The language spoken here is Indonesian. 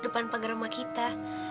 depan pagar rumah kita